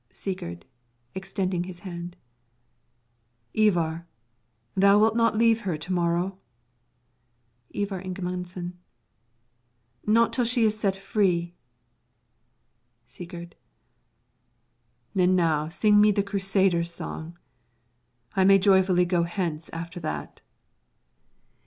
Sigurd [extending his hand] Ivar, thou wilt not leave her to morrow? Ivar Ingemundson Not until she is set free. Sigurd And now sing me the Crusader's song. I may joyfully go hence after that.